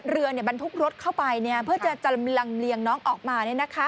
เรือบรรทุกรถเข้าไปเพื่อจะลำเลียงน้องออกมา